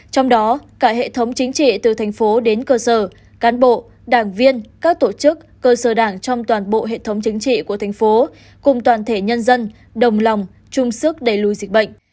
trong đó cả hệ thống chính trị từ thành phố đến cơ sở cán bộ đảng viên các tổ chức cơ sở đảng trong toàn bộ hệ thống chính trị của thành phố cùng toàn thể nhân dân đồng lòng chung sức đẩy lùi dịch bệnh